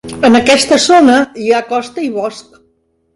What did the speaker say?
En aquesta zona hi ha costa i bosc.